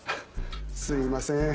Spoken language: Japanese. すいません